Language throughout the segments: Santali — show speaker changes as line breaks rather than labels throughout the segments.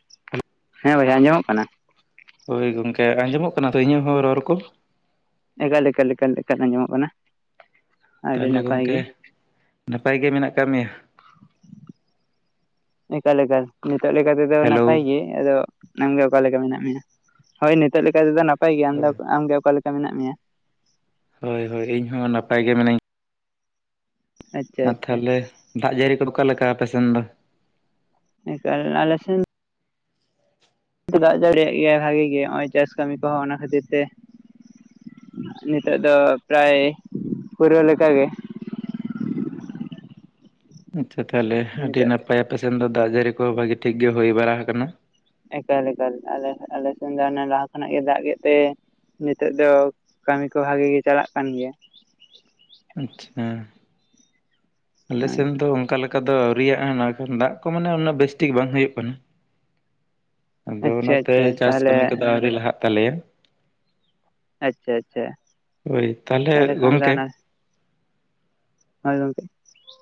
[unintelligible]
ᱦᱮᱸ ᱵᱷᱟᱹᱭ ᱟᱸᱡᱚᱢᱚᱜ ᱠᱟᱱᱟ?
ᱦᱳᱭ ᱜᱚᱝᱠᱮ ᱟᱸᱡᱚᱢᱚᱜ ᱠᱟᱱᱟ ᱛᱚ ᱤᱧᱟᱹᱜ ᱦᱚᱸ ᱨᱚᱲ ᱠᱚ
ᱮᱠᱟᱞ ᱮᱠᱟᱞ ᱮᱠᱟᱞ ᱮᱠᱟᱞ ᱟᱸᱡᱚᱢᱚᱜ ᱠᱟᱱᱟ᱾ ᱟᱹᱰᱤ
ᱛᱟᱦᱚᱞᱮ
ᱱᱟᱯᱟᱭ
ᱜᱚᱝᱠᱮ
ᱜᱮ
ᱱᱟᱯᱟᱭ ᱜᱮ ᱢᱮᱱᱟᱜ ᱠᱟᱫ ᱢᱮᱭᱟ?
ᱮᱠᱟᱞ ᱮᱠᱟᱞ ᱱᱤᱛᱚᱜ ᱞᱮᱠᱟ ᱛᱮᱫᱚ
ᱦᱮᱞᱳ
ᱱᱟᱯᱟᱭ ᱜᱮ ᱮᱸᱜ ᱟᱫᱚ ᱟᱢᱜᱮ ᱚᱠᱟ ᱞᱮᱠᱟ ᱢᱮᱱᱟᱜ ᱢᱮᱭᱟ ᱦᱳᱭ ᱱᱤᱛᱚᱜ ᱞᱮᱠᱟ ᱛᱮᱫᱚ ᱱᱟᱯᱟᱭ ᱜᱮ ᱟᱢ ᱫᱚ
ᱦᱳᱭ
ᱚᱠᱟ ᱟᱢ ᱜᱮ ᱚᱠᱟ ᱞᱮᱠᱟ ᱠᱟ ᱢᱮᱱᱟᱜ ᱢᱮᱭᱟ
ᱦᱳᱭ ᱦᱳᱭ ᱤᱧ ᱦᱚᱸ ᱱᱟᱯᱟᱭ ᱜᱮ ᱢᱮᱱᱟᱹᱧ
[unintelligible]
ᱟᱨ ᱛᱟᱦᱚᱞᱮ ᱫᱟᱜ ᱡᱟᱹᱲᱤ ᱠᱚᱫᱚ ᱚᱠᱟ ᱞᱮᱠᱟ ᱟᱯᱮ ᱥᱮᱱ ᱫᱚ?
ᱮᱠᱟᱞ ᱟᱞᱮ ᱥᱮᱱ ᱫᱟᱜ ᱡᱟᱹᱲᱤᱭ ᱮᱫ ᱜᱮᱭᱟᱭ ᱵᱷᱟᱜᱤ ᱜᱮ ᱱᱚᱜ-ᱚᱭ ᱪᱟᱥ ᱠᱟᱹᱢᱤ ᱠᱚᱦᱚᱸ ᱚᱱᱟ ᱠᱷᱟᱹᱛᱤᱨ ᱛᱮ ᱱᱤᱛᱚᱜ ᱫᱚ ᱯᱨᱟᱭ ᱯᱩᱨᱟᱹᱣ ᱞᱮᱠᱟ ᱜᱮ
ᱟᱪᱪᱷᱟ ᱛᱟᱦᱚᱞᱮ ᱟᱹᱰᱤ
ᱱᱤᱛᱚᱜ
ᱱᱟᱯᱟᱭ ᱟᱯᱮ ᱥᱮᱱ ᱫᱚ ᱫᱟᱜ ᱡᱟᱹᱲᱤ ᱠᱚ ᱵᱷᱟᱜᱤ ᱴᱷᱤᱠ ᱜᱮ ᱦᱩᱭ ᱵᱟᱲᱟ ᱟᱠᱟᱱᱟ᱾
ᱮᱠᱟᱞ ᱮᱠᱟᱞ ᱟᱞᱮ ᱥᱮᱜ ᱟᱞᱮ ᱥᱮᱱ ᱫᱚ ᱦᱟᱱᱮ ᱞᱟᱦᱟ ᱠᱷᱚᱱᱟᱜ ᱜᱮ ᱫᱟᱜ ᱜᱮᱫ ᱛᱮ ᱱᱤᱛᱚᱜ ᱫᱚ ᱠᱟᱹᱢᱤ ᱠᱚ ᱵᱷᱟᱜᱤ ᱜᱤ ᱪᱟᱞᱟᱜ ᱠᱟᱱ ᱜᱮᱭᱟ᱾
ᱟᱪᱪᱷᱟ ᱟᱞᱮ ᱥᱮᱱ ᱫᱚ ᱚᱱᱠᱟ ᱞᱮᱠᱟ ᱫᱚ ᱟᱹᱣᱨᱤᱭᱟᱜ-ᱟ ᱚᱱᱟ ᱠᱷᱟᱱ ᱫᱟᱜ ᱠᱚ ᱢᱟᱱᱮ ᱩᱱᱟᱹᱜ ᱵᱮᱥ ᱴᱷᱤᱠ ᱵᱟᱝ ᱦᱩᱭᱩᱜ ᱠᱟᱱᱟ᱾ ᱟᱫᱚ
ᱟᱪᱪᱷᱟ
ᱚᱱᱟ ᱛᱮ
ᱟᱪᱪᱷᱟ
ᱪᱟᱥ
ᱛᱟᱦᱚᱞᱮ
ᱠᱟᱹᱢᱤ ᱠᱚᱫᱚ ᱟᱹᱣᱨᱤ ᱞᱟᱦᱟᱜ ᱛᱟᱞᱮᱭᱟ᱾
ᱟᱪᱪᱷᱟ ᱟᱪᱪᱷᱟ
ᱦᱳᱭ ᱛᱟᱦᱚᱞᱮ
ᱠᱷᱟᱱ ᱫᱚ
ᱜᱚᱝᱠᱮ
ᱚᱱᱟ ᱦᱳᱭ ᱜᱚᱝᱠᱮ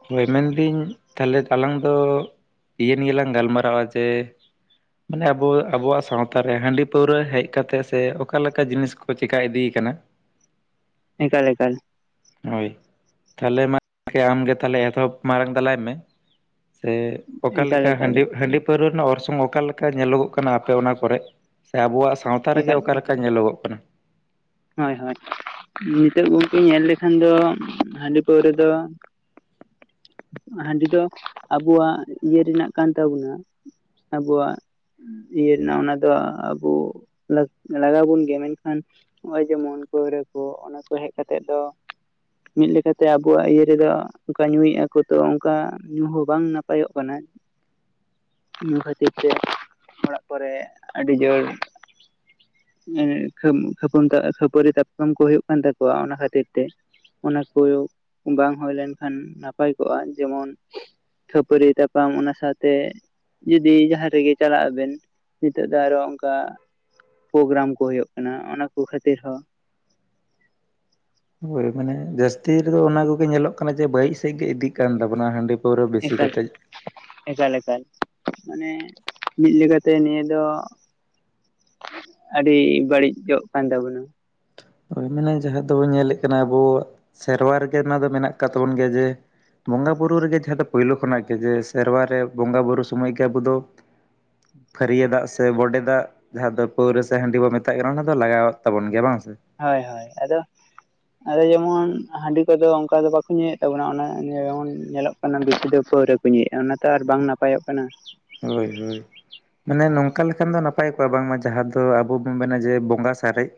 ᱦᱳᱭ ᱢᱮᱱ ᱮᱫᱤᱧ ᱛᱟᱦᱚᱞᱮ ᱟᱞᱟᱝ ᱫᱚ ᱤᱭᱟᱹ ᱱᱤᱭᱟ. ᱞᱟᱝ ᱜᱟᱞᱢᱟᱨᱟᱣᱟ ᱡᱮ ᱢᱟᱱᱮ ᱟᱵᱚ ᱟᱵᱚᱣᱟᱜ ᱥᱟᱶᱛᱟ ᱨᱮ ᱦᱟᱺᱰᱤ ᱯᱟᱹᱣᱨᱟᱹ ᱦᱮᱡ ᱠᱟᱛᱮ ᱥᱮ ᱚᱠᱟ ᱞᱮᱠᱟ ᱡᱤᱱᱤᱥ ᱠᱚ ᱠᱚ ᱪᱤᱠᱟ ᱤᱫᱤᱭ ᱟᱠᱟᱱᱟ
ᱮᱠᱟᱞ ᱮᱠᱟᱞ
ᱦᱳᱭ ᱛᱟᱦᱚᱞᱮ ᱢᱟᱜᱽ ᱟᱢᱜᱮ ᱛᱟᱦᱚᱞᱮ ᱮᱛᱚᱦᱚᱵ ᱢᱟᱲᱟᱝ ᱛᱟᱞᱟᱭ ᱢᱮ ᱥᱮ ᱚᱠᱟ
ᱮᱠᱟᱞ
ᱞᱮᱠᱟ
ᱮᱠᱟᱞ
ᱦᱟᱺᱰᱤ ᱦᱟᱺᱰᱤ ᱯᱟᱹᱣᱨᱟᱹ ᱨᱮᱱᱟᱜ ᱚᱨᱥᱚᱝ ᱚᱠᱟ ᱞᱮᱠᱟ ᱧᱮᱞᱚᱜᱚᱜ ᱠᱟᱱᱟ ᱟᱯᱮ ᱚᱱᱟ ᱠᱚᱨᱮᱜ ᱥᱮ ᱟᱵᱚᱣᱟᱜ ᱥᱟᱶᱛᱟ ᱨᱮᱜᱮ ᱚᱠᱟ ᱞᱮᱠᱟ ᱧᱮᱞᱚᱜᱚᱜ ᱠᱟᱱᱟ
ᱦᱚᱭ ᱦᱚᱭ ᱱᱤᱛᱚᱜ ᱜᱚᱝᱠᱮ ᱧᱮᱞ ᱞᱮᱠᱷᱟᱱ ᱫᱚ ᱦᱟᱺᱰᱤ ᱯᱟᱹᱣᱨᱟᱹ ᱫᱚ
[unintelligible]
ᱦᱟᱺᱰᱤ ᱫᱚ ᱟᱵᱚᱣᱟᱜ ᱤᱭᱟᱹ ᱨᱮᱱᱟᱜ ᱠᱟᱱ ᱛᱟᱵᱚᱱᱟ ᱟᱵᱚᱣᱟᱜ ᱤᱭᱟᱹ ᱨᱮᱱᱟᱜ ᱚᱱᱟ ᱫᱚ ᱟᱵᱚ ᱞᱟᱜᱟᱣ ᱟᱵᱚᱱ ᱜᱮᱭᱟ ᱢᱮᱱᱠᱷᱟᱱ ᱱᱚᱜ-ᱚᱭ ᱡᱮᱢᱚᱱ ᱯᱟᱹᱣᱨᱟᱹ ᱠᱚ ᱚᱱᱟ ᱠᱚ ᱦᱮᱡ ᱠᱟᱛᱮᱜ ᱫᱚ ᱢᱤᱫ ᱞᱮᱠᱟ ᱛᱮ ᱟᱵᱚᱣᱟᱜ ᱤᱭᱟᱹ ᱨᱮᱫᱚ ᱚᱱᱠᱟ ᱧᱩᱭᱮᱫ ᱟᱠᱚ ᱛᱚ ᱚᱱᱠᱟ ᱧᱩ ᱦᱚᱸ ᱵᱟᱝ ᱱᱟᱯᱟᱭᱚᱜ ᱠᱟᱱᱟ᱾
[unintelligible]
ᱧᱩ ᱠᱷᱟᱹᱛᱤᱨ ᱛᱮ ᱚᱲᱟᱜ ᱠᱚᱨᱮ ᱟᱹᱰᱤ ᱡᱳᱨ ᱟᱹ ᱠᱷᱟᱹᱯᱟᱹᱨᱤ ᱛᱟᱯᱟᱢ ᱠᱚ ᱦᱩᱭᱩᱜ ᱠᱟᱱ ᱛᱟᱠᱚᱣᱟ ᱚᱱᱟ ᱠᱷᱟᱹᱛᱤᱨ ᱛᱮ᱾ ᱚᱱᱟ ᱠᱚ ᱵᱟᱝ ᱦᱩᱭ ᱞᱮᱱᱠᱷᱟᱱ ᱱᱟᱯᱟᱭ ᱠᱚᱜᱼᱟ ᱡᱮᱢᱚᱱ ᱠᱷᱟᱹᱯᱟᱹᱨᱤ ᱛᱟᱯᱟᱢ ᱚᱱᱟ ᱥᱟᱶᱛᱮ ᱡᱩᱫᱤ ᱡᱟᱦᱟᱸ ᱨᱮᱜᱮ ᱪᱟᱞᱟᱜ ᱟᱵᱤᱱ ᱱᱤᱛᱚᱜ ᱫᱚ ᱟᱨᱚ ᱚᱱᱠᱟ ᱯᱨᱳᱜᱨᱟᱢ ᱠᱚ ᱦᱩᱭᱩᱜ ᱠᱟᱱᱟ ᱚᱱᱟᱠᱚ ᱠᱷᱟᱹᱛᱤᱨ ᱦᱚᱸ
ᱦᱳᱭ ᱢᱟᱱᱮ ᱡᱟᱹᱥᱛᱤ ᱨᱮᱫᱚ ᱚᱱᱟ ᱠᱚᱜᱮ ᱧᱮᱞᱚᱜ ᱠᱟᱱᱟ ᱡᱮ ᱵᱟᱹᱲᱤᱡ ᱥᱮᱫ ᱜᱮ ᱤᱫᱤᱜ ᱠᱟᱱ ᱛᱟᱵᱚᱱᱟ ᱦᱟᱺᱰᱤ ᱯᱟᱹᱣᱨᱟᱹ ᱵᱤᱥᱤ
ᱮᱠᱟᱞ
ᱠᱟᱛᱮᱫ᱾
ᱮᱠᱟᱞ ᱮᱠᱟᱞ ᱢᱟᱱᱮ ᱢᱤᱫ ᱞᱮᱠᱟᱛᱮ ᱱᱤᱭᱟᱹ ᱫᱚ ᱟᱹᱰᱤ ᱵᱟᱹᱲᱤᱡᱚᱜ ᱠᱟᱱ ᱛᱟᱵᱚᱱᱟ᱾
ᱦᱳᱭ ᱢᱟᱱᱮ ᱡᱟᱦᱟᱸ ᱫᱚ ᱵᱚᱱ ᱧᱮᱞ ᱮᱫ ᱠᱟᱱᱟ ᱟᱵᱚ ᱥᱮᱨᱣᱟ ᱨᱮᱜᱮ ᱚᱱᱟ ᱫᱚ ᱢᱮᱱᱟᱜ ᱟᱠᱟᱫ ᱛᱟᱵᱚᱱ ᱜᱮᱭᱟ ᱡᱮ ᱵᱚᱸᱜᱟ ᱵᱩᱨᱩ ᱨᱮᱜᱮ ᱡᱟᱦᱟᱸ ᱫᱚ ᱯᱳᱭᱞᱳ ᱠᱷᱚᱱᱟᱜ ᱜᱮ ᱡᱮ ᱥᱮᱨᱣᱟ ᱨᱮ ᱵᱚᱸᱜᱟ ᱵᱩᱨᱩ ᱥᱚᱢᱚᱭ ᱜᱮ ᱟᱵᱚ ᱫᱚ ᱯᱷᱟᱹᱨᱭᱟᱹ ᱫᱟᱜ ᱥᱮ ᱵᱚᱰᱮ ᱫᱟᱜ? ᱡᱟᱦᱟᱸ ᱫᱚ ᱯᱟᱹᱣᱨᱟᱹ ᱥᱮ ᱦᱟᱺᱰᱤ ᱵᱚᱱ ᱢᱮᱛᱟᱜ ᱠᱟᱱᱟ ᱚᱱᱟ ᱫᱚ ᱞᱟᱜᱟᱣᱟᱜ ᱛᱟᱵᱚᱱ ᱜᱮᱭᱟ ᱵᱟᱝ ᱥᱮ?
ᱦᱳᱭ ᱦᱳᱭ, ᱟᱫᱚ ᱟᱫᱚ ᱡᱮᱢᱚᱱ ᱦᱟᱺᱰᱤ ᱠᱚᱫᱚ ᱚᱱᱠᱟ ᱫᱚ ᱵᱟᱠᱚ ᱧᱩᱭᱮᱫ ᱛᱟᱵᱚᱱᱟ ᱚᱱᱟ ᱡᱮᱢᱚᱱ ᱧᱮᱞᱚᱜ ᱠᱟᱱᱟ ᱥᱟᱱᱟᱢ ᱵᱮᱥᱤ ᱫᱚ ᱯᱟᱹᱣᱨᱟᱹ ᱠᱚ ᱧᱩᱭᱮᱫᱼᱟ ᱚᱱᱟᱛᱮ ᱟᱨ ᱵᱟᱝ ᱱᱟᱯᱟᱭᱚᱜ ᱠᱟᱱᱟ᱾
ᱦᱳᱭ ᱦᱳᱭ, ᱢᱟᱱᱮ ᱱᱚᱝᱠᱟ ᱞᱮᱠᱷᱟᱱ ᱫᱚ ᱱᱟᱯᱟᱭ ᱠᱚᱜᱼᱟ ᱵᱟᱝᱢᱟ ᱡᱟᱦᱟᱸ ᱫᱚ ᱟᱵᱚ ᱵᱚᱱ ᱢᱮᱱᱟ ᱡᱮ ᱵᱚᱸᱜᱟ ᱥᱟᱨᱮᱡ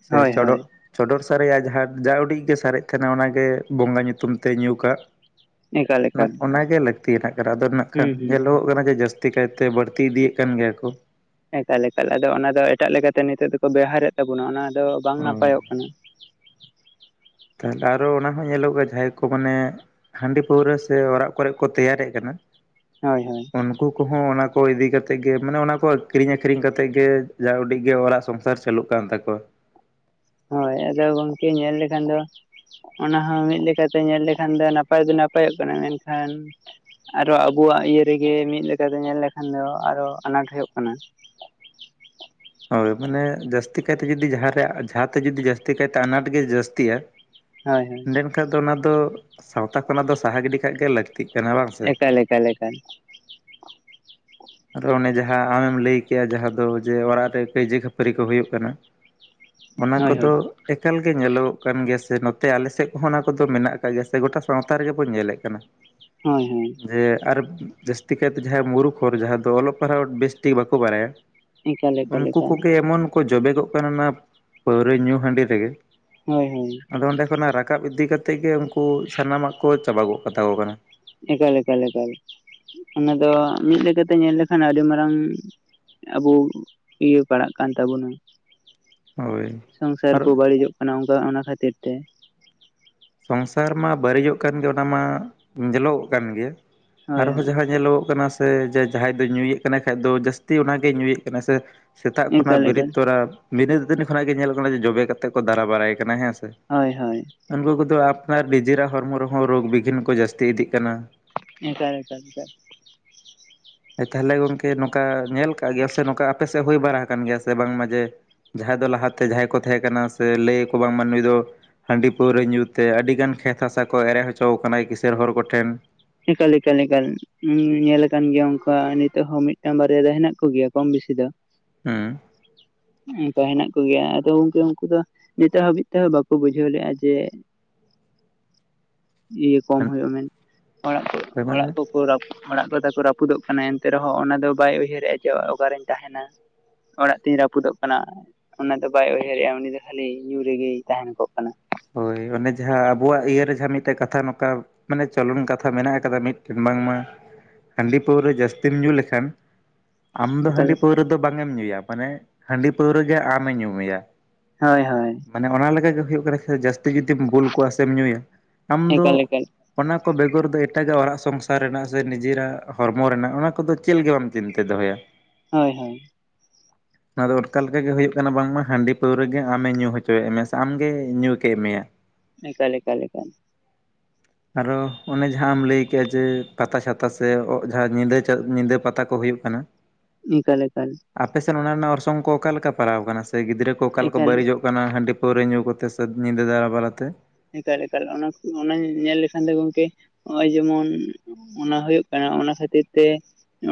ᱥᱮ
ᱦᱳᱭ
ᱪᱚᱰᱚᱨ
ᱦᱳᱭ
ᱪᱚᱰᱚᱨ ᱥᱟᱨᱮᱡᱭᱟᱜ ᱡᱟᱦᱟᱸ ᱡᱟ ᱩᱰᱤᱡ ᱜᱮ ᱥᱟᱨᱮᱡ ᱛᱟᱦᱮᱱᱟ ᱚᱱᱟᱜᱮ ᱵᱚᱸᱜᱟ ᱧᱩᱛᱩᱢ ᱛᱮ ᱧᱩ ᱠᱟᱜ᱾
ᱮᱠᱟᱞ ᱮᱠᱟᱞ
ᱚᱱᱟᱜᱮ ᱞᱟᱹᱠᱛᱤᱭᱟᱱᱟᱜ ᱠᱟᱱᱟ, ᱟᱫᱚ ᱱᱟᱜ ᱠᱷᱟᱱ
ᱦᱩᱸ ᱦᱩᱸ
ᱧᱮᱞᱚᱜᱚᱜ ᱠᱟᱱᱟ ᱾ ᱡᱟᱹᱥᱛᱤ ᱠᱟᱭᱛᱮ ᱵᱟᱹᱲᱛᱤ ᱤᱫᱤᱭᱮᱫ ᱠᱟᱱ ᱜᱮᱭᱟ ᱠᱚ᱾
ᱮᱠᱟᱞ ᱮᱠᱟᱞ ᱟᱫᱚ ᱚᱱᱟᱫᱚ ᱮᱴᱟᱜ ᱞᱮᱠᱟᱛᱮ ᱱᱤᱛᱚᱜ ᱫᱚᱠᱚ ᱵᱮᱣᱦᱟᱨᱮᱫ ᱛᱟᱵᱚᱱᱟ ᱚᱱᱟ ᱫᱚ ᱵᱟᱝ
ᱦᱳᱭ
ᱱᱟᱯᱟᱭᱚᱜ ᱠᱟᱱᱟ᱾
ᱛᱟᱦᱚᱞᱮ ᱟᱨᱚ ᱚᱱᱟ ᱦᱚᱸ ᱧᱮᱞᱚᱜᱼᱟ, ᱡᱟᱦᱟᱸᱭ ᱠᱚ ᱢᱟᱱᱮ ᱦᱟᱺᱰᱤ ᱯᱟᱹᱣᱨᱟᱹ ᱥᱮ ᱚᱲᱟᱜ ᱠᱚᱨᱮᱮᱫ ᱠᱚ ᱛᱮᱭᱟᱨᱮᱫ ᱠᱟᱱᱟ ᱾
ᱦᱳᱭ ᱦᱳᱭ,
ᱩᱱᱠᱩ ᱠᱚᱦᱚᱸ ᱚᱱᱟ ᱠᱚ ᱤᱫᱤ ᱠᱟ ᱠᱟᱛᱮᱫ ᱜᱮ ᱢᱟᱱᱮ ᱚᱱᱟ ᱠᱚ ᱠᱤᱨᱤᱧ ᱟᱹᱠᱷᱨᱤᱧ ᱠᱟ ᱠᱟᱛᱮᱫ ᱜᱮ ᱡᱟ ᱩᱰᱤᱡᱜ ᱜᱮ ᱚᱲᱟᱜ ᱥᱚᱝ ᱥᱚᱥᱟᱨ ᱪᱟᱹᱞᱟᱜ ᱠᱟᱱ ᱛᱟᱠᱚᱣᱟ᱾
ᱦᱳᱭ ᱟᱫᱚ ᱜᱚᱝᱠᱮ ᱧᱮᱞ ᱞᱮᱠᱷᱟᱱ ᱫᱚ ᱚᱱᱟᱦᱚᱸ ᱢᱤᱫ ᱞᱮᱠᱟᱛᱮ ᱧᱮᱞ ᱞᱮᱠᱷᱟᱱ ᱫᱚ ᱱᱟᱯᱟᱭ ᱫᱚ ᱱᱟᱯᱟᱭᱚᱜ ᱠᱟᱱᱟ, ᱢᱮᱱᱠᱷᱟᱱ ᱟᱨᱚ ᱟᱵᱚᱣᱟᱜ ᱤᱭᱟᱹ ᱨᱮᱜᱮ ᱢᱤᱫ ᱞᱮᱠᱟᱛᱮ ᱧᱮᱞ ᱞᱮᱠᱷᱟᱱ ᱫᱚ ᱟᱨᱚ ᱟᱱᱟᱴ ᱦᱩᱭᱩᱜ ᱠᱟᱱᱟ᱾
ᱦᱳᱭ ᱢᱟᱱᱮ ᱡᱟᱹᱥᱛᱤ ᱠᱟᱭᱛᱮ ᱡᱚᱫᱤ ᱡᱟᱦᱟᱸ ᱡᱟᱦᱟᱸᱛᱮ ᱡᱩᱫᱤ ᱡᱟᱹᱥᱛᱤ ᱠᱟᱭᱛᱮ ᱟᱱᱟᱴ ᱜᱮ ᱡᱟᱹᱥᱛᱤᱭᱟ ᱾
ᱦᱳᱭ ᱦᱳᱭ,
ᱠᱷᱟ ᱫᱚ ᱚᱱᱟ ᱫᱚ ᱥᱟᱶᱛᱟ ᱠᱷᱚᱱᱟᱜ ᱫᱚ ᱥᱟᱦᱟ ᱜᱤᱰᱤ ᱠᱷᱟᱱ ᱜᱮ ᱞᱟᱹᱠᱛᱤ᱾
ᱮᱠᱟᱞ ᱮᱠᱟᱞ ᱮᱠᱟᱞ,
ᱟᱨᱚ ᱚᱱᱮ ᱡᱟᱦᱟᱸ ᱟᱢᱮᱢ ᱞᱟᱹᱭ ᱠᱮᱜᱼᱟ, ᱡᱟᱦᱟᱸ ᱫᱚ ᱡᱮ ᱚᱲᱟᱜ ᱨᱮ ᱠᱟᱹᱭᱡᱟᱹ ᱠᱷᱟᱹᱯᱟᱹᱨᱤ ᱠᱚ ᱦᱩᱭᱩᱜ ᱠᱟᱱᱟ᱾ ᱚᱱᱟ
ᱦᱳᱭ
ᱠᱚᱫᱚ,
ᱦᱳᱭ
ᱮᱠᱟᱞ ᱜᱮ ᱧᱮᱞᱚᱜᱚᱜ ᱠᱟᱱ ᱜᱮᱭᱟ ᱥᱮ ᱱᱚᱛᱮ ᱟᱞᱮ ᱥᱮᱫ ᱠᱚᱦᱚᱸ ᱚᱱᱟ ᱠᱚᱫᱚ ᱢᱮᱱᱟᱜ ᱟᱠᱟᱜ ᱜᱮᱭᱟ ᱥᱮ ᱜᱚᱴᱟ ᱥᱟᱶᱛᱟ ᱨᱮᱜᱮ ᱵᱚᱱ ᱧᱮᱞᱮᱫ ᱠᱟᱱᱟ᱾
ᱦᱳᱭ ᱦᱳᱭ,
ᱟᱨ ᱡᱟᱹᱥᱛᱤ ᱠᱟᱭᱛᱮ ᱡᱟᱦᱟᱸ ᱢᱩᱨᱩᱠᱷ ᱦᱚᱨ ᱡᱟᱦᱟᱸ ᱫᱚ ᱚᱞᱚᱜ ᱯᱟᱲᱦᱟᱜ ᱵᱮᱥᱴᱷᱤᱠ ᱵᱟᱠᱚ ᱵᱟᱲᱟᱭᱟ᱾
ᱮᱠᱟᱞ ᱮᱠᱟᱞ
ᱩᱱᱠᱩ
ᱮᱠᱟᱞ
ᱠᱚᱜᱮ ᱮᱢᱚᱱ ᱠᱚ ᱡᱚᱵᱮᱠᱚᱜ ᱠᱟᱱᱟ, ᱚᱱᱟ ᱯᱟᱹᱣᱨᱟᱹ ᱧᱩ ᱦᱟᱺᱰᱤ ᱨᱮᱜᱮ᱾
ᱦᱳᱭ ᱦᱳᱭ,
ᱟᱫᱚ ᱚᱸᱰᱮ ᱠᱷᱚᱱᱟᱜ ᱨᱟᱠᱟᱵ ᱤᱫᱤ ᱠᱟ ᱠᱟᱛᱮᱫ ᱜᱮ ᱩᱱᱠᱩ ᱥᱟᱱᱟᱢᱟᱜ ᱠᱚ ᱪᱟᱵᱟ ᱜᱚᱫ ᱠᱟᱛᱟ ᱠᱚ ᱠᱟᱱᱟ᱾
ᱮᱠᱟᱞ ᱞᱮᱠᱟ ᱚᱱᱟ ᱫᱚ ᱢᱤᱫ ᱞᱮᱠᱟᱛᱮ ᱧᱮᱞ ᱞᱮᱠᱷᱟᱱ ᱟᱹᱰᱤ ᱢᱟᱨᱟᱝ ᱟᱵᱩ ᱤᱭᱟᱹ ᱵᱟᱲᱟᱜ ᱠᱟᱱ ᱛᱟᱵᱚᱱᱟ᱾
ᱦᱳᱭ
ᱥᱚᱝᱥᱟᱨ
ᱟᱨ
ᱠᱚ ᱵᱟᱹᱲᱤᱡᱚᱜ ᱠᱟᱱᱟ, ᱚᱱᱠᱟ ᱚᱱᱟ ᱠᱷᱟᱹᱛᱤᱨ ᱛᱮ᱾
ᱥᱚᱝᱥᱟᱨ ᱢᱟ ᱵᱟᱹᱲᱤᱡᱚᱜ ᱠᱟᱱ ᱜᱮ ᱚᱱᱟ ᱢᱟ ᱧᱮᱞᱚᱜᱚᱜ ᱠᱟᱱ ᱜᱮᱭᱟ᱾
ᱦᱳᱭ
ᱟᱨᱦᱚᱸ
ᱦᱳᱭ
ᱡᱟᱦᱟᱸ ᱧᱮᱞᱚᱜᱚᱜ ᱠᱟᱱᱟ ᱥᱮ ᱡᱟᱦᱟᱸᱭ ᱯᱮ ᱧᱩᱭᱮᱫ ᱠᱟᱱᱟᱭ ᱠᱷᱟ ᱫᱚ ᱡᱟᱹᱥᱛᱤ ᱚᱱᱟᱜᱮ ᱧᱩᱭᱮᱫ ᱠᱟᱱᱟᱭ ᱥᱮ ᱥᱮᱛᱟᱜ ᱠᱷᱚᱱᱟᱜ
ᱮᱠᱟᱞ
ᱵᱮᱨᱮᱫ
ᱮᱠᱟᱞ
ᱛᱚᱨᱟ ᱵᱤᱱᱟᱹ ᱫᱟᱹᱛᱟᱹᱱᱤ ᱠᱷᱚᱱᱟᱜ ᱜᱮ ᱧᱮᱞ ᱠᱟᱱᱟᱮ ᱡᱚᱵᱮ ᱠᱟᱛᱮ ᱠᱚ ᱫᱟᱨᱟ ᱵᱟᱲᱟᱭ ᱠᱟᱱᱟ ᱦᱮᱸ ᱥᱮ᱾
ᱦᱳᱭ ᱦᱳᱭ
ᱩᱱᱠᱩ ᱠᱚᱫᱚ ᱟᱯᱱᱟᱨ ᱱᱤᱡᱮᱨᱟᱜ ᱦᱚᱲᱢᱚ ᱨᱮᱦᱚᱸ ᱨᱳᱜᱽ ᱵᱤᱜᱷᱤᱱ ᱠᱚ ᱡᱟᱹᱥᱛᱤ ᱤᱫᱤᱜ ᱠᱟᱱᱟ ᱾
[unintelligible]
[inaudible] ᱛᱟᱦᱚᱞᱮ ᱜᱚᱝᱠᱮ ᱱᱚᱝᱠᱟ ᱧᱮᱞ ᱠᱟᱜ ᱜᱮᱭᱟ ᱥᱮ, ᱱᱚᱝᱠᱟ ᱟᱯᱮᱥᱮᱫ ᱦᱩᱭ ᱵᱟᱲᱟ ᱟᱠᱟᱱ ᱜᱮᱭᱟ ᱥᱮ, ᱵᱟᱝᱢᱟ ᱡᱮ ᱡᱟᱦᱟᱸᱭ ᱫᱚ ᱞᱟᱦᱟᱛᱮ ᱡᱟᱦᱟᱸᱭ ᱠᱚ ᱛᱟᱦᱮᱸ ᱠᱟᱱᱟ, ᱥᱮ ᱞᱟᱹᱭᱟᱠᱚ ᱵᱟᱝᱢᱟ ᱱᱩᱭ ᱫᱚ ᱦᱟᱺᱰᱤ ᱯᱟᱹᱣᱨᱟᱹ ᱧᱩᱛ ᱛᱮ ᱟᱹᱰᱤ ᱜᱟᱱ ᱠᱷᱮᱛ ᱦᱟᱥᱟ ᱠᱚ ᱮᱲᱮ ᱚᱪᱚ ᱟᱠᱟᱱᱟᱭ ᱠᱤᱥᱟᱹᱬ ᱦᱚᱲ ᱠᱚᱴᱷᱮᱱ ᱾
ᱮᱠᱟᱞ ᱮᱠᱟᱞ ᱮᱠᱟᱞ ᱧᱮᱞ ᱟᱠᱟᱱ ᱜᱮᱭᱟ, ᱩᱱᱠᱟ ᱱᱤᱛᱚᱜ ᱦᱚᱸ ᱢᱤᱫ ᱴᱟᱝ ᱵᱟᱨᱭᱟ ᱫᱚ ᱦᱮᱱᱟᱜ ᱠᱚ ᱜᱮᱭᱟ ᱾ ᱠᱚᱢ ᱵᱮᱥᱤ ᱫᱚ
ᱦᱮᱸ
ᱚᱱᱠᱟ ᱦᱮᱱᱟᱜ ᱠᱚᱜᱮᱭᱟ ᱟᱫᱚ ᱜᱚᱝᱠᱮ ᱩᱱᱠᱩ ᱫᱚ ᱱᱤᱛᱚᱜ ᱦᱟᱹᱵᱤᱡ ᱛᱮᱦᱚᱸ ᱵᱟᱠᱚ ᱵᱩᱡᱷᱟᱹᱣ ᱞᱮᱫᱜᱼᱟ ᱡᱮ
[inaudible]
ᱤᱭᱟᱹ ᱠᱚᱢ
ᱦᱮᱸ
ᱦᱩᱭᱩᱜᱼᱟ ᱢᱮᱱ ᱚᱲᱟᱜ ᱠᱚ
ᱢᱟᱱᱮ
ᱚᱲᱟᱜ ᱠᱚ ᱚᱲᱟᱜ ᱠᱚᱛᱟᱠᱚ ᱨᱟᱹᱯᱩᱫᱚᱜ ᱠᱟᱱᱟ, ᱮᱱᱛᱮ ᱨᱮᱦᱚᱸ ᱚᱱᱟ ᱫᱚ ᱵᱟᱭ ᱩᱭᱦᱟᱹᱨᱮᱜᱼᱟ ᱡᱮ ᱚᱠᱟᱨᱤᱧ ᱛᱟᱦᱮᱸᱱᱟ ᱾ ᱚᱲᱟᱜ ᱛᱤᱧ ᱨᱟᱹᱯᱩᱫᱚᱜ ᱠᱟᱱᱟ ᱾ ᱚᱱᱟ ᱫᱚ ᱵᱟᱭ ᱩᱭᱦᱟᱹᱨᱮᱜᱼᱟ ᱩᱱᱤ ᱫᱚ ᱠᱷᱟᱹᱞᱤ ᱧᱩ ᱨᱮᱜᱮᱭ ᱛᱟᱦᱮᱸᱱ ᱠᱚᱜ ᱠᱟᱱᱟᱭ ᱾
ᱦᱳᱭ ᱚᱱᱮ ᱡᱟᱦᱟᱸ ᱟᱵᱚᱣᱟᱜ ᱤᱭᱟ ᱡᱟᱦᱟᱸ ᱢᱤᱫᱴᱮᱱ ᱠᱟᱛᱷᱟ ᱱᱚᱝᱠᱟ ᱢᱟᱱᱮ ᱪᱚᱞᱚᱱ ᱠᱟᱛᱷᱟ ᱢᱮᱱᱟᱜ ᱠᱟᱫᱟ ᱢᱤᱫᱴᱮᱱ ᱵᱟᱝᱢᱟ, ᱦᱟᱺᱰᱤ ᱯᱟᱹᱣᱨᱟᱹ ᱡᱟᱹᱥᱛᱤᱢ ᱧᱩ ᱞᱮᱠᱷᱟᱱ, ᱟᱢ ᱫᱚ
ᱮᱠᱟᱞ
ᱦᱟᱺᱰᱤ ᱯᱟᱹᱣᱨᱟᱹ ᱫᱚ ᱵᱟᱝ ᱮᱢ ᱧᱩᱭᱟ ᱾ ᱢᱟᱱᱮ ᱦᱟᱺᱰᱤ ᱯᱟᱹᱣᱨᱟᱹ ᱜᱮ ᱟᱢᱮ ᱧᱩᱢᱮᱭᱟ ᱾
ᱦᱳᱭ ᱦᱳᱭ
ᱢᱟᱱᱮ ᱚᱱᱟ ᱞᱮᱠᱟᱜᱮ ᱦᱩᱭᱩᱜ ᱠᱟᱱᱟ ᱡᱟᱹᱥᱛᱤ ᱡᱩᱫᱤᱢ ᱵᱩᱞ ᱠᱚᱜᱼᱟ ᱥᱮᱢ ᱧᱩᱭᱟ ᱟᱢ ᱫᱚ
ᱮᱠᱟᱞ ᱮᱠᱟᱞ
ᱚᱱᱟ ᱠᱚ ᱵᱮᱜᱚᱨ ᱫᱚ ᱮᱴᱟᱜᱟᱜ ᱚᱲᱟᱜ ᱥᱚᱝᱥᱟᱨ ᱨᱮᱱᱟᱜ ᱥᱮ ᱱᱤᱡᱮᱨᱟᱜ ᱦᱚᱲᱢᱚ ᱨᱮᱱᱟᱜ ᱚᱱᱟ ᱠᱚᱫᱚ ᱪᱮᱫ ᱞᱮᱠᱟ ᱵᱟᱢ ᱪᱤᱱᱛᱟᱹ ᱫᱚᱦᱚᱭᱟ
ᱦᱳᱭ ᱦᱳᱭ
[inaudible] ᱱᱚᱣᱟ ᱫᱚ ᱚᱱᱠᱟ ᱞᱮ ᱞᱮᱠᱟ ᱜᱮ ᱦᱩᱭᱩᱜ ᱠᱟᱱᱟ ᱵᱟᱝᱢᱟ ᱦᱟᱺᱰᱤ ᱯᱟᱹᱣᱨᱟᱹ ᱜᱮ ᱟᱢᱮ ᱧᱩ ᱦᱚᱪᱚᱭᱮᱫ ᱢᱮᱭᱟ ᱥᱮ ᱟᱢ ᱜᱮ ᱧᱩ ᱠᱮᱜ ᱢᱮᱭᱟ
ᱮᱠᱟᱞ ᱮᱠᱟᱞ ᱮᱠᱟᱞ
ᱟᱨᱚ ᱚᱱᱮ ᱡᱟᱦᱟᱸ ᱟᱢᱮᱢ ᱞᱟᱹᱭ ᱠᱮᱫᱮᱜᱼᱟ ᱡᱮ ᱯᱟᱛᱟ ᱪᱷᱟᱛᱟ ᱥᱮ ᱡᱟᱦᱟᱸ ᱧᱤᱫᱟᱹ, ᱧᱤᱫᱟᱹ ᱯᱟᱛᱟ ᱠᱚ ᱦᱩᱭᱩᱜ ᱠᱟᱱᱟ [inaudible]
ᱮᱠᱟᱞ ᱮᱠᱟᱞ
ᱟᱯᱮᱥᱮᱫ ᱚᱱᱟ ᱨᱮᱱᱟᱜ ᱚᱨᱥᱚᱝ ᱠᱚ ᱚᱠᱟ ᱞᱮᱠᱟ ᱯᱟᱲᱟᱣ ᱟᱠᱟᱱᱟ ᱥᱮ ᱜᱤᱫᱽᱨᱟᱹ ᱠᱚ ᱚᱠᱟ ᱞᱮᱠᱟ
ᱮᱠᱟᱞ
ᱵᱟᱹᱲᱤᱡᱚᱜ ᱠᱟᱱᱟ ᱦᱟᱺᱰᱤ ᱯᱟᱹᱣᱨᱟᱹ ᱧᱩ ᱠᱟᱛᱮ ᱥᱮ ᱧᱤᱫᱟᱹ ᱫᱟᱬᱟ ᱵᱟᱲᱟᱛᱮ
ᱮᱠᱟᱞ ᱮᱠᱟᱞ ᱚᱱᱟ ᱧᱮᱞ ᱞᱮᱠᱷᱟᱱ ᱫᱚ ᱜᱚᱝᱠᱮ ᱱᱚᱜᱼᱚᱭ ᱡᱮᱢᱚᱱ ᱚᱱᱟ ᱦᱩᱭᱩᱜ ᱠᱟᱱᱟ ᱚᱱᱟ ᱠᱷᱟᱹᱛᱤᱨ ᱛᱮ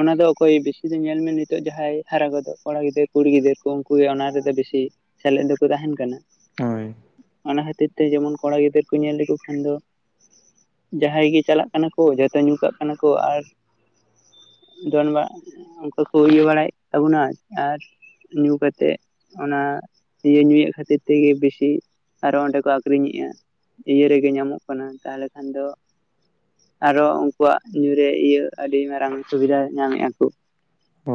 ᱚᱱᱟ ᱫᱚ ᱚᱠᱚᱭ ᱵᱮᱥᱤ ᱫᱚ ᱧᱮᱞ ᱢᱮ ᱱᱤᱛᱚᱜ ᱡᱟᱦᱟᱸᱭ ᱦᱟᱨᱟ ᱜᱚᱫᱚᱜ ᱠᱚᱲᱟ ᱜᱤᱫᱟᱹᱨ ᱠᱩᱲᱤ ᱜᱤᱫᱟᱹᱨ ᱠᱚ ᱩᱱᱠᱩ ᱜᱮ ᱚᱱᱟ ᱨᱮᱫᱚ ᱵᱤᱥᱤ ᱥᱮᱞᱮᱫ ᱫᱚᱠᱚ ᱛᱟᱦᱮᱸᱱ ᱠᱟᱱᱟ
ᱦᱳᱭ
ᱚᱱᱟ ᱠᱷᱟᱹᱛᱤᱨ ᱛᱮ ᱡᱮᱢᱚᱱ ᱠᱚᱲᱟ ᱜᱤᱫᱟᱹᱨ ᱠᱚ ᱧᱮᱞ ᱞᱮᱠᱚ ᱠᱷᱟᱱ ᱫᱚ ᱡᱟᱦᱟᱸᱭ ᱜᱮ ᱪᱟᱞᱟᱜ ᱠᱟᱱᱟ ᱠᱚ ᱡᱚᱛᱚ ᱧᱩ ᱠᱟᱜ ᱠᱟᱱᱟ ᱠᱚ ᱟᱨ ᱫᱚᱱ ᱵᱟᱲᱟ ᱩᱱᱠᱩ ᱠᱚ ᱤᱭᱟᱹ ᱵᱟᱲᱟᱭᱮᱫ ᱛᱟᱵᱚᱱᱟ ᱟᱨ ᱧᱩ ᱠᱟᱛᱮᱜ ᱚᱱᱟ ᱤᱭᱟᱹ ᱧᱩᱭᱮᱫ ᱠᱷᱟᱹᱛᱤᱨ ᱛᱮᱜᱮ ᱵᱮᱥᱤ ᱟᱨᱦᱚ ᱚᱸᱰᱮ ᱠᱚ ᱟᱹᱠᱷᱨᱤᱧᱮᱜᱼᱟ ᱤᱭᱟᱹ ᱨᱮᱜᱮ ᱧᱟᱢᱚᱜ ᱠᱟᱱᱟ ᱛᱟᱦᱚᱞᱮ ᱠᱷᱟᱱ ᱫᱚ ᱟᱨᱚ ᱩᱱᱠᱩᱣᱟᱜ ᱧᱩᱨᱮ ᱤᱭᱟᱹ ᱟᱹᱰᱤ ᱢᱟᱨᱟᱝ ᱥᱩᱵᱤᱫᱷᱟ ᱧᱟᱢᱮᱜ ᱟᱠᱚ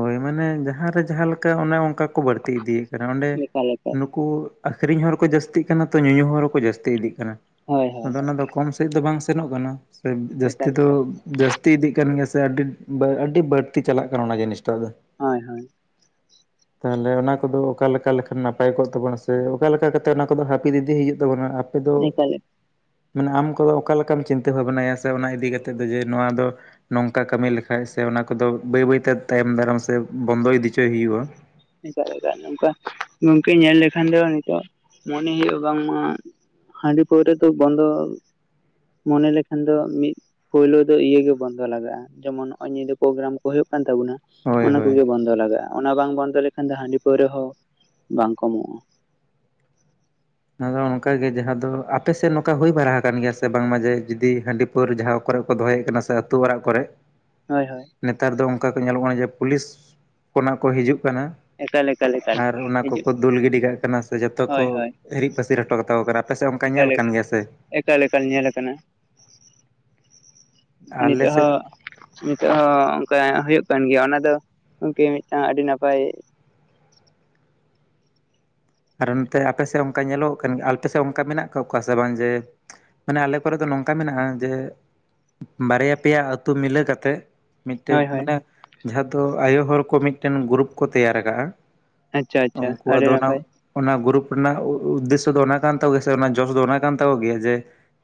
ᱦᱳᱭ ᱢᱟᱱᱮ ᱡᱟᱦᱟᱸᱨᱮ ᱡᱟᱦᱟᱸ ᱞᱮᱠᱟ ᱚᱱᱮ ᱚᱱᱠᱟ ᱠᱚ ᱵᱟᱹᱲᱛᱤ ᱤᱫᱤᱭᱮᱜ ᱠᱟᱱᱟ ᱚᱸᱰᱮ
ᱮᱠᱟᱞ ᱮᱠᱟᱞ
ᱱᱩ ᱠᱩ ᱟᱹᱠᱷᱨᱤᱧ ᱦᱚᱲ ᱠᱚ ᱡᱟᱹᱥᱛᱤᱜ ᱠᱟᱱᱟ ᱛᱚ ᱧᱩᱧᱩ ᱦᱚᱲ ᱦᱚᱸ ᱠᱚ ᱡᱟᱹᱥᱛᱤ ᱤᱫᱤᱜ ᱠᱟᱱᱟ
ᱦᱳᱭ ᱦᱳᱭ
ᱟᱫᱚ ᱚᱱᱟ ᱫᱚ ᱠᱚᱢ ᱥᱮᱫ ᱫᱚ ᱵᱟᱝ ᱥᱮᱱᱚᱜ ᱠᱟᱱᱟ ᱡᱟᱹᱥᱛᱤ
ᱮᱠᱟᱞ
ᱫᱚ
ᱮᱠᱟᱞ
ᱡᱟᱹᱥ ᱛᱤ ᱤᱫᱤᱜ ᱠᱟᱱ ᱜᱮᱭᱟ ᱥᱮ ᱟᱹᱰᱤ ᱟᱹᱰᱤ ᱵᱟᱹᱲᱛᱤ ᱪᱟᱞᱟᱜ ᱠᱟᱱᱟ ᱚᱱᱟ ᱡᱤᱱᱤᱥᱴᱟᱜ ᱫᱚ
ᱦᱳᱭ ᱦᱳᱭ
ᱛᱟᱦᱚᱞᱮ ᱚᱱᱟ ᱠᱚᱫᱚ ᱚᱠᱟ ᱞᱮᱠᱟ ᱞᱮᱠᱷᱟᱱ ᱱᱟᱯᱟᱭ ᱠᱚᱜ ᱛᱟᱵᱚᱱᱟ ᱥᱮ ᱚᱠᱟ ᱞᱮᱠᱟ ᱠᱟᱛᱮᱜ ᱚᱱᱟ ᱠᱚᱫᱚ ᱦᱟᱹᱯᱤᱫ ᱫᱤᱫᱤ ᱦᱩᱭᱩᱜ ᱛᱟᱵᱚᱱᱟ ᱟᱯᱮ ᱫᱚ
ᱮᱠᱟᱞ
ᱢᱟᱱᱮ ᱟᱢ ᱫᱚ ᱚᱠᱟ ᱞᱮᱠᱟᱢ ᱪᱤᱱᱛᱟᱹ ᱵᱷᱟᱵᱽᱱᱟᱭᱟ ᱥᱮ ᱚᱱᱟ ᱤᱫᱤ ᱠᱟ ᱠᱟᱛᱮᱜ ᱫᱚ ᱡᱮ ᱱᱚᱣᱟ ᱫᱚ ᱱᱚᱝᱠᱟ ᱠᱟᱹᱢᱤ ᱞᱮᱠᱷᱟᱡ ᱥᱮ ᱚᱱᱟ ᱠᱚᱫᱚ ᱵᱟᱹᱭ ᱵᱟᱹᱭᱛᱮ ᱛᱟᱭᱚᱢ ᱫᱟᱨᱟᱢ ᱥᱮ ᱵᱚᱱᱫᱚᱭ ᱤᱫᱤᱪᱚᱭ ᱦᱩᱭᱩᱜᱼᱟ
ᱮᱠᱟᱞ ᱮᱠᱟᱞ ᱱᱚᱝᱠᱟ ᱜᱚᱝᱠᱮ ᱧᱮᱞ ᱞᱮᱠᱷᱟᱱ ᱫᱚ ᱱᱤᱛᱚᱜ ᱢᱚᱱᱮ ᱦᱩᱭᱩᱜᱼᱟ ᱵᱟᱝᱢᱟ ᱦᱟᱺᱰᱤ ᱯᱟᱹᱣᱨᱟᱹ ᱫᱚ ᱵᱚᱱᱫᱚ ᱢᱚᱱᱮ ᱞᱮᱠᱷᱟᱱ ᱫᱚ ᱢᱤᱫ ᱯᱳᱭᱞᱳ ᱫᱚ ᱤᱭᱟᱹᱜᱮ ᱵᱚᱱᱫᱚ ᱞᱟᱜᱟᱜᱼᱟ ᱡᱮᱢᱚᱱ ᱱᱚᱜ ᱚᱭ ᱱᱤᱭᱟᱹ ᱯᱨᱳᱜᱨᱟᱢ ᱠᱚ ᱦᱩᱭᱩᱜ ᱠᱟᱱ ᱛᱟᱵᱳᱱᱟ
ᱦᱳᱭ
ᱚᱱᱟ
ᱦᱳᱭ
ᱠᱚᱜᱮ ᱵᱚᱱᱫᱚ ᱞᱟᱜᱟᱜᱼᱟ᱾ ᱚᱱᱟ ᱵᱟᱝ ᱵᱚᱱᱫᱚ ᱞᱮᱠᱷᱟᱱ ᱫᱚ ᱦᱟᱺᱰᱤ ᱯᱟᱹᱣᱨᱟᱹ ᱦᱚᱸ ᱵᱟᱝ ᱠᱚᱢᱚᱜᱼᱟ
ᱟᱫᱚ ᱚᱱᱠᱟ ᱜᱮ ᱡᱟᱦᱟᱸ ᱫᱚ ᱟᱯᱮᱥᱮᱫ ᱱᱚᱝᱠᱟ ᱦᱩᱭ ᱵᱟᱲᱟ ᱟᱠᱟᱱ ᱜᱮᱭᱟ ᱥᱮ ᱵᱟᱝᱢᱟ ᱡᱮ ᱡᱩᱫᱤ ᱦᱟᱺᱰᱤ ᱯᱟᱹᱣᱨᱟᱹ ᱡᱟᱦᱟᱸ ᱠᱚᱨᱮ ᱠᱚ ᱫᱚᱦᱚᱭᱮᱫ ᱠᱟᱱᱟ ᱥᱮ ᱟᱹᱛᱳ ᱚᱲᱟᱜ ᱠᱚᱨᱮ
ᱦᱳᱭ ᱦᱳᱭ
ᱱᱮᱛᱟᱨ ᱫᱚ ᱚᱱᱠᱟ ᱠᱚ ᱧᱮᱞᱚᱜ ᱠᱟᱱᱟ ᱡᱮ ᱯᱩᱞᱤᱥ ᱠᱷᱚᱱᱟᱜ ᱠᱚ ᱦᱤᱡᱩᱜ ᱠᱟᱱᱟ
ᱮᱠᱟᱞ ᱮᱠᱟᱞ ᱮᱠᱟᱞ
ᱟᱨ ᱚᱱᱟ
ᱦᱤᱡᱩᱜ
ᱠᱚᱠᱚ ᱫᱩᱞ ᱜᱤᱰᱤ ᱠᱟᱜ ᱠᱟᱱᱟ ᱥᱮ ᱡᱚᱛᱚ ᱠᱚ
ᱦᱳᱭ ᱦᱳᱭ
ᱦᱤᱨᱤᱡ ᱯᱟᱹᱥᱤᱨ ᱦᱚᱴᱚ ᱠᱟᱛᱚ ᱠᱟᱱᱟ ᱯᱮᱥᱮ ᱚᱱᱠᱟ ᱧᱮᱞ
ᱮᱠᱟᱞ
ᱠᱟᱱ ᱜᱮᱭᱟ ᱥᱮ
ᱮᱠᱟᱞ ᱮᱠᱟᱞ ᱧᱮᱞ ᱟᱠᱟᱱᱟ
ᱟᱞᱮ
ᱱᱤᱛᱚᱜ
ᱥᱮᱫ
ᱦᱚᱸ ᱱᱤᱛᱚᱜ ᱦᱚᱸ ᱚᱱᱠᱟ ᱦᱩᱭᱩᱜ ᱠᱟᱱ ᱜᱮᱭᱟ ᱚᱱᱟ ᱫᱚ ᱜᱚᱝᱠᱮ ᱢᱤᱫᱴᱟᱝ ᱟᱹᱰᱤ ᱱᱟᱯᱟᱭ
ᱟᱨ ᱱᱚᱛᱮ ᱟᱯᱮ ᱥᱮᱫ ᱚᱱᱠᱟ ᱧᱮᱞᱚᱜ ᱠᱟᱱ ᱜᱮ ᱟᱯᱮ ᱥᱮᱫ ᱚᱱᱠᱟ ᱢᱮᱱᱟᱜ ᱠᱟᱜ ᱠᱚᱣᱟ ᱥᱮ ᱵᱟᱝ ᱡᱮ ᱢᱟᱱᱮ ᱟᱞᱮ ᱠᱚᱨᱮ ᱫᱚ ᱱᱚᱝᱠᱟ ᱢᱮᱱᱟᱜᱼᱟ ᱡᱮ ᱵᱟᱨᱭᱟ ᱯᱮᱭᱟ ᱟᱹᱛᱩ ᱢᱤᱞᱟᱹ ᱠᱟᱛᱮᱫ ᱢᱤᱫᱴᱮᱱ
ᱦᱳᱭ ᱦᱳᱭ
ᱢᱟᱱᱮ ᱡᱟᱦᱟᱸ ᱫᱚ ᱟᱭᱳ ᱦᱚᱲ ᱠᱚ ᱢᱤᱫᱴᱮᱱ ᱜᱨᱩᱯ ᱠᱚ ᱛᱮᱭᱟᱨ ᱠᱟᱜᱼᱟ
ᱟᱪᱪᱷᱟ ᱟᱪᱪᱷᱟ
ᱩᱱᱠᱩ
ᱟᱹᱰᱤ
ᱟᱫᱚ ᱱᱟᱜ
ᱱᱟᱯᱟᱭ
ᱚᱱᱟ ᱜᱨᱩᱯ ᱨᱮᱱᱟᱜ ᱩᱫᱽᱫᱮᱥᱥᱚ ᱫᱚ ᱚᱱᱟ ᱠᱟᱱ ᱛᱟᱠᱚ ᱜᱮᱭᱟ ᱥᱮ ᱚᱱᱟ ᱡᱚᱥ ᱫᱚ ᱚᱱᱟ ᱠᱟᱱ ᱛᱟᱠᱚ ᱜᱮᱭᱟ ᱡᱮ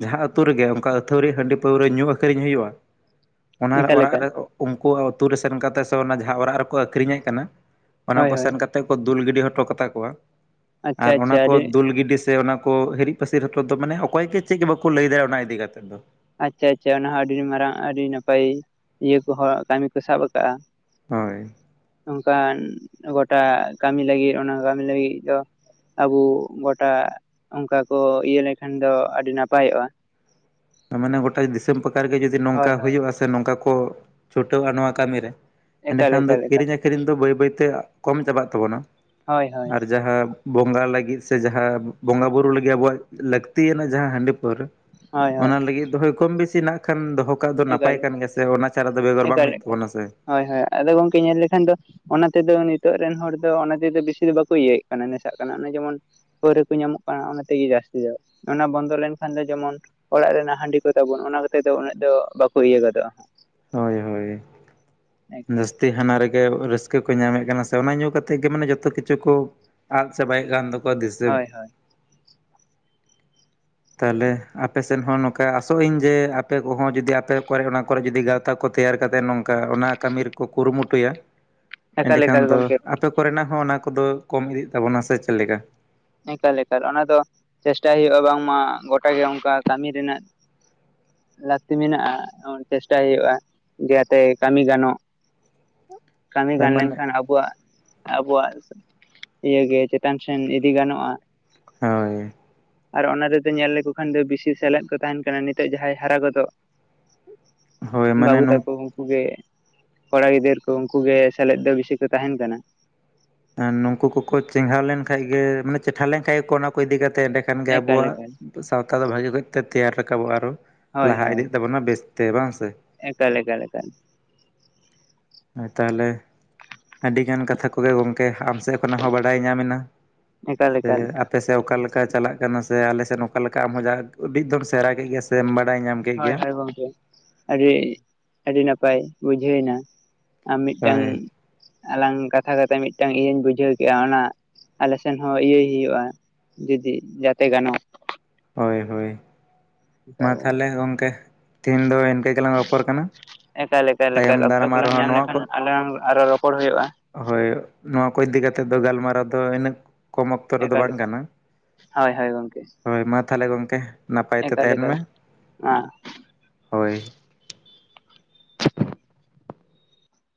ᱡᱟᱦᱟᱸ ᱟᱹᱛᱩ ᱨᱮᱜᱮ ᱚᱱᱠᱟ ᱟᱹᱛᱷᱟᱹᱣᱲᱤ ᱦᱟᱺᱰᱤ ᱯᱟᱹᱣᱨᱟᱹ ᱧᱩ ᱟᱹᱠᱷᱨᱤᱧ ᱦᱩᱭᱩᱜᱼᱟ ᱚᱱᱟ
ᱮᱠᱟᱞ
ᱚᱲᱟᱜ
ᱮᱠᱟᱞ
ᱨᱮ ᱩᱱᱠᱩ ᱟᱛᱩ ᱨᱮ ᱥᱮᱱ ᱠᱟᱛᱮᱫ ᱥᱮ ᱡᱟᱦᱟᱸ ᱚᱲᱟᱜ ᱨᱮᱠᱚ ᱟᱹᱠᱷᱨᱤᱧᱮᱜ ᱠᱟᱱᱟ ᱚᱱᱟ
ᱦᱳᱭ
ᱠᱚ
ᱦᱳᱭ
ᱥᱮᱱ ᱠᱟᱛᱮ ᱠᱚ ᱫᱩᱞ ᱜᱤᱰᱤ ᱦᱚᱴᱚ ᱠᱟᱛᱟ ᱠᱚᱣᱟ
ᱟᱪᱪᱷᱟ
ᱟᱨ ᱚᱱᱟ
ᱟᱪᱪᱷᱟ
ᱠᱚ
ᱟᱹᱰᱤ
ᱫᱩᱞ ᱜᱤᱰᱤ ᱥᱮ ᱚᱱᱟ ᱠᱚ ᱦᱤᱨᱤᱡ ᱯᱟᱹᱥᱤᱨ ᱦᱚ ᱫᱚ ᱢᱟᱱᱮ ᱚᱠᱚᱭ ᱜᱮ ᱪᱮᱫ ᱵᱟᱠᱚ ᱞᱟᱹᱭ ᱫᱟᱲᱮᱭᱟᱜᱼᱟ ᱚᱱᱟ ᱤᱫᱤ ᱠᱟᱛᱮᱫ ᱫᱚ
ᱟᱪᱪᱷᱟ ᱟᱪᱪᱷᱟ ᱚᱱᱟᱦᱚᱸ ᱟᱹᱰᱤ ᱢᱟᱨᱟᱝ ᱟᱹᱰᱤ ᱱᱟᱯᱟᱭ ᱤᱭᱟᱹ ᱠᱚ ᱦᱚᱲ ᱠᱟᱹᱢᱤ ᱠᱚ ᱥᱟᱵ ᱟᱠᱟᱫᱟ
ᱦᱳᱭ
ᱚᱱᱠᱟᱱ ᱜᱚᱴᱟ ᱠᱟᱹᱢᱤ ᱞᱟᱹᱜᱤᱫ ᱚᱱᱟ ᱠᱟᱹᱢᱤ ᱞᱟᱹᱜᱤᱫ ᱫᱚ ᱟᱵᱚ ᱜᱚᱴᱟ ᱚᱱᱠᱟ ᱠᱚ ᱤᱭᱟᱹ ᱞᱮᱠᱷᱟᱱ ᱫᱚ ᱟᱹᱰᱤ ᱱᱟᱯᱟᱭᱚᱜᱼᱟ
ᱢᱟᱱᱮ ᱜᱳᱴᱟ ᱫᱤᱥᱚᱢ ᱯᱟᱠᱟ ᱨᱮᱜᱮ ᱡᱩᱫᱤ ᱱᱚᱝᱠᱟ
ᱦᱳᱭ ᱦᱳᱭ
ᱦᱩᱭᱩᱜᱼᱟ ᱥᱮ ᱱᱚᱝᱠᱟ ᱠᱚ ᱪᱷᱩᱴᱟᱹᱣᱼᱟ ᱱᱚᱣᱟ ᱠᱟᱹᱢᱤᱨᱮ
ᱮᱠᱟᱞ
ᱮᱸᱰᱮᱠᱷᱟᱱ ᱫᱚ
ᱮᱠᱟᱞ ᱮᱠᱟᱞ
ᱠᱤᱨᱤᱧ ᱟᱹᱠᱷᱨᱤᱧ ᱫᱚ ᱵᱟᱹᱭ ᱵᱟᱹᱭᱛᱮ ᱠᱚᱢ ᱪᱟᱵᱟᱜ ᱛᱟᱵᱚᱱᱟ
ᱦᱳᱭ ᱦᱳᱭ
ᱟᱨ ᱡᱟᱦᱟᱸ ᱵᱚᱸᱜᱟ ᱞᱟᱹᱜᱤᱫ ᱥᱮ ᱡᱟᱦᱟᱸ ᱵᱚᱸᱜᱟ ᱵᱩᱨᱩ ᱞᱟᱹᱜᱤᱫ ᱟᱵᱚᱣᱟᱜ ᱞᱟᱹᱠᱛᱤᱭᱟᱱᱟᱜ ᱡᱟᱦᱟᱸ ᱦᱟᱺᱰᱤ ᱯᱟᱹᱣᱨᱟᱹ
ᱦᱳᱭ ᱦᱳᱭ
ᱚᱱᱟ ᱞᱟᱹᱜᱤᱫ ᱫᱚ ᱦᱳᱭ ᱠᱚᱢ ᱵᱮᱥᱤ ᱱᱟᱜ ᱠᱷᱟᱱ ᱫᱚᱦᱚ ᱠᱟᱜ ᱫᱚ ᱱᱟᱯᱟᱭ
ᱮᱠᱟᱞ
ᱠᱟᱱ ᱜᱮᱭᱟ ᱥᱮ ᱚᱱᱟ ᱪᱷᱟᱲᱟ ᱫᱚ ᱵᱮᱜᱚᱨ ᱵᱟᱝ
ᱮᱠᱟᱞ
ᱦᱩᱭᱩᱜ ᱛᱟᱵᱚᱱᱟ ᱥᱮ
ᱦᱳᱭ ᱦᱳᱭ ᱟᱫᱚ ᱜᱚᱝᱠᱮ ᱧᱮᱞ ᱞᱮᱠᱷᱟᱱ ᱫᱚ ᱚᱱᱟ ᱛᱮᱫᱚ ᱱᱤᱛᱚᱜ ᱨᱮᱱ ᱦᱚᱲ ᱫᱚ ᱚᱱᱟ ᱛᱮᱫᱚ ᱵᱮᱥᱤ ᱫᱚ ᱵᱟᱠᱚ ᱤᱭᱟᱹᱭᱮᱫ ᱠᱟᱱᱟ ᱱᱮᱥᱟᱜ ᱠᱟᱱᱟ ᱚᱱᱮ ᱡᱮᱢᱚᱱ ᱯᱟᱹᱣᱨᱟᱹ ᱠᱚ ᱧᱟᱢᱚᱜ ᱠᱟᱱᱟ ᱚᱱᱟ ᱛᱮᱜᱮ ᱡᱟᱹᱥᱛᱤ ᱫᱚ ᱚᱱᱟ ᱵᱚᱱᱫᱚ ᱞᱮᱱᱠᱷᱟᱱ ᱫᱚ ᱡᱮᱢᱚᱱ ᱚᱲᱟᱜ ᱨᱮᱱᱟᱜ ᱦᱟᱺᱰᱤ ᱠᱚᱛᱟᱵᱚᱱ ᱚᱱᱟᱛᱮ ᱫᱚ ᱩᱱᱟᱹᱜ ᱫᱚ ᱵᱟᱠᱚ ᱤᱭᱟᱹ ᱜᱚᱫᱚᱜᱼᱟ
ᱦᱳᱭ ᱦᱳᱭ ᱡᱟᱹᱥᱛᱤ ᱚᱱᱟ ᱨᱮᱜᱮ ᱨᱟᱹᱥᱠᱟᱹ ᱠᱚ ᱧᱟᱢᱮᱫ ᱠᱟᱱᱟ ᱥᱮ ᱚᱱᱟ ᱧᱩᱸ ᱠᱟᱛᱮ ᱜᱮ ᱢᱟᱱᱮ ᱡᱚᱛᱚ ᱠᱤᱪᱷᱩ ᱠᱚ ᱟᱫ ᱪᱟᱵᱟᱭᱮᱫ ᱠᱟᱱ ᱠᱚ ᱫᱤᱥᱟᱹ
ᱦᱳᱭ ᱦᱳᱭ
ᱛᱟᱦᱚᱞᱮ ᱟᱯᱮᱥᱮᱫ ᱦᱚᱸ ᱱᱚᱝᱠᱟ ᱟᱥᱚᱜ ᱟᱹᱧ ᱡᱮ ᱟᱯᱮ ᱠᱚᱦᱚᱸ ᱡᱩᱫᱤ ᱟᱯᱮ ᱠᱚᱨᱮ ᱚᱱᱟ ᱠᱚᱨᱮ ᱡᱩᱫᱤ ᱜᱟ ᱜᱟᱶᱛᱟ ᱠᱚ ᱛᱮᱭᱟᱨ ᱠᱟᱛᱮᱫ ᱱᱚᱝᱠᱟ ᱚᱱᱟ ᱠᱟᱹᱢᱤ ᱨᱮᱠᱚ ᱠᱩᱨᱩᱢᱩᱴᱩᱭᱟ
ᱮᱠᱟᱞ
ᱮᱸᱰᱮᱠᱷᱟᱱ
ᱮᱠᱟᱞ
ᱫᱚ
ᱜᱚᱝᱠᱮ
ᱟᱯᱮ ᱠᱚᱨᱮᱱᱟᱜ ᱦᱚᱸ ᱚᱱᱟ ᱠᱚᱫᱚ ᱠᱚᱢ ᱤᱫᱤᱜ ᱛᱟᱵᱚᱱᱟ ᱥᱮ ᱪᱮᱫ ᱞᱮᱠᱟ
ᱮᱠᱟᱞ ᱮᱠᱟᱞ ᱚᱱᱟ ᱫᱚ ᱪᱮᱥᱴᱟᱭ ᱦᱩᱭᱩᱜᱼᱟ ᱵᱟᱝᱢᱟ ᱜᱚᱴᱟ ᱜᱮ ᱚᱱᱠᱟ ᱠᱟᱹᱢᱤ ᱨᱮᱱᱟᱜ ᱞᱟᱹᱠᱛᱤ ᱢᱮᱱᱟᱜᱼᱟ ᱪᱮᱥᱴᱟᱭ ᱦᱩᱭᱩᱜᱼᱟ ᱡᱟᱛᱮ ᱠᱟᱹᱢᱤ ᱜᱟᱱᱚᱜ ᱠᱟᱹᱢᱤ
ᱦᱳᱭ
ᱜᱟᱱ
ᱢᱟᱱᱮ
ᱞᱮᱱᱠᱷᱟᱱ ᱟᱵᱚᱣᱟᱜ ᱟᱵᱚᱣᱟᱜ ᱤᱭᱮ ᱜᱮ ᱪᱮᱛᱟᱱ ᱥᱮᱱ ᱤᱫᱤ ᱜᱟᱱᱚᱜᱼᱟ
ᱦᱳᱭ
ᱟᱨ ᱚᱱᱟ ᱨᱮᱫᱚ ᱧᱮᱞ ᱞᱮᱠᱚ ᱠᱷᱟᱱ ᱫᱚ ᱵᱮᱥᱤ ᱥᱮᱞᱮᱫ ᱠᱚ ᱛᱟᱦᱮᱸᱱ ᱠᱟᱱᱟ ᱱᱤᱛᱚᱜ ᱡᱟᱦᱟᱸᱭ ᱦᱟᱨᱟ ᱜᱚᱫᱚᱜ
ᱦᱳᱭ ᱢᱟᱱᱮ
ᱵᱟᱹᱵᱩ
ᱱᱚᱝ
ᱛᱟᱠᱚ ᱩᱱᱠᱩ ᱜᱮ ᱠᱚᱲᱟ ᱜᱤᱫᱟᱹᱨ ᱠᱚ ᱩᱱᱠᱩ ᱜᱮ ᱥᱮᱞᱮᱫ ᱫᱚ ᱵᱤᱥᱤ ᱠᱚ ᱛᱟᱦᱮᱸᱱ ᱠᱟᱱᱟ
ᱱᱩᱠᱩ ᱠᱚᱠᱚ ᱪᱮᱸᱜᱷᱟᱣ ᱞᱮᱱᱠᱟᱱᱡ ᱜᱮ ᱢᱟᱱᱮ ᱪᱮᱴᱷᱟ ᱞᱮᱱ ᱠᱷᱟᱱ ᱜᱮ ᱠᱚ ᱚᱱᱟ ᱠᱚ ᱤᱫᱤ ᱠᱟᱛᱮ ᱮᱸᱰᱮ ᱠᱷᱟᱱ ᱜᱮ
ᱮᱠᱟᱞ
ᱟᱵᱚᱣᱟᱜ
ᱮᱠᱟᱞ
ᱥᱟᱶᱛᱟ ᱫᱚ ᱵᱷᱟᱜᱤ ᱠᱚᱡᱛᱮ ᱛᱮᱭᱟᱨ ᱨᱟᱠᱟᱵᱚᱜᱼᱟ ᱟᱨᱚ
ᱦᱳᱭ
ᱞᱟᱦᱟ
ᱦᱳᱭ
ᱤᱫᱤᱜ ᱛᱟᱵᱚᱱᱟ, ᱵᱮᱥ ᱛᱮ ᱵᱟᱝ ᱥᱮ?
ᱮᱠᱟᱞ ᱮᱠᱟᱞ ᱮᱠᱟᱞ᱾
ᱦᱭ ᱛᱟᱦᱚᱞᱮ ᱟᱹᱰᱤᱜᱟᱱ ᱠᱟᱛᱷᱟ ᱠᱚᱜᱮ ᱜᱚᱢᱠᱮ ᱟᱢ ᱥᱮᱫ ᱠᱷᱚᱱᱟᱜ ᱦᱚᱸ ᱵᱟᱰᱟᱭ ᱧᱟᱢᱮᱱᱟ᱾
ᱮᱠᱟᱞ
ᱥᱮ
ᱮᱠᱟᱞ
ᱟᱯᱮᱥᱮᱫ ᱚᱠᱟᱞᱮ ᱞᱮᱠᱟ ᱪᱟᱞᱟᱜ ᱠᱟᱱᱟ ᱥᱮ ᱟᱞᱮ ᱥᱮᱫ ᱚᱠᱟ ᱞᱮᱠᱟ ᱟᱢᱦᱚᱸ ᱡᱟᱜ ᱜᱮ ᱟᱹᱰᱤ ᱫᱚᱢ ᱥᱮᱸᱬᱟ ᱠᱮᱫ ᱜᱮᱭᱟ ᱥᱮ᱾ ᱥᱮ ᱵᱟᱰᱟᱭ ᱧ
ᱦᱳᱭ ᱦᱳᱭ ᱜᱚᱢᱠᱮ ᱟᱹᱰᱤ, ᱟᱹᱰᱤ ᱱᱟᱯᱟᱭ ᱵᱩᱡᱷᱟᱹᱣ ᱱᱟ᱾ ᱟᱨ ᱢᱤᱫᱴᱟᱝ
ᱦᱳᱭ
ᱟᱞᱟᱝ ᱠᱟᱛᱷᱟ ᱠᱟᱛᱮᱜ ᱢᱤᱫᱴᱟᱝ ᱤᱭᱟᱹᱧ ᱵᱩᱡᱷᱟᱹᱣ ᱠᱮᱫᱼᱟ, ᱚᱱᱟ ᱟᱞᱮ ᱥᱮᱱ ᱦᱚᱸ ᱤᱭᱟᱹᱭ ᱦᱩᱭᱩᱜᱼᱟ ᱡᱩᱫᱤ ᱡᱟᱛᱮ ᱜᱟᱱᱚᱜ
ᱦᱳᱭ ᱦᱳᱭ, ᱢᱟ ᱛᱟᱦᱚᱞᱮ ᱜᱚᱢᱠᱮ ᱛᱮᱦᱮᱧ ᱫᱚ ᱤᱱᱠᱟᱹ ᱜᱮᱞᱟᱝ ᱨᱚᱯᱚᱲ ᱠᱟᱱᱟ᱾
ᱮᱠᱟ ᱮᱠᱟᱞ
ᱛᱟᱭᱚᱢ
ᱮᱠᱟᱞ, ᱚᱠᱛᱚ
ᱫᱟᱨᱟᱢ
ᱠᱚᱞᱟᱝ
ᱟᱨᱦᱚᱸ
ᱧᱟᱢ
ᱱᱚᱣᱟ
ᱞᱮᱠᱷᱟᱱ
ᱠᱚ
ᱟᱞᱟᱝ, ᱟᱨᱚ ᱨᱚᱯᱚᱲ ᱦᱩᱭᱩᱜᱼᱟ᱾
ᱦᱳᱭ ᱱᱚᱣᱟ ᱠᱚ ᱤᱫᱤ ᱠᱟᱛᱮᱫ ᱫᱚ ᱜᱟᱞᱢᱟᱨᱟᱣ ᱫᱚ ᱤᱱᱟᱹᱜ ᱠᱚᱢ ᱚᱠᱛᱚ ᱨᱮᱫᱚ
ᱮᱠᱟᱞ
ᱵᱟᱝ
ᱮᱠᱟᱞ
ᱠᱟᱱᱟ᱾
ᱦᱳᱭ ᱦᱳᱭ ᱜᱚᱝᱠᱮ
ᱦᱳᱭ ᱢᱟ ᱛᱟᱦᱞᱮ ᱜᱚᱢᱠᱮ ᱱᱟᱯᱟᱭ ᱛᱮ
ᱮᱠᱟᱞ
ᱛᱟᱸᱦᱮᱱ
ᱮᱠᱟᱞ
ᱢᱮ᱾
ᱢᱟ
ᱦᱳᱭ